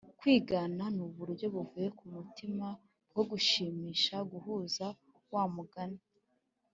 kwigana nuburyo buvuye ku mutima bwo gushimisha guhuza wa mugani